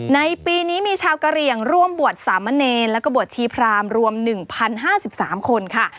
ในปีนี้มีชาวกะเหลี่ยงร่วมบวชสามเณรแล้วก็บวชชีพรามรวม๑๐๕๓คนค่ะ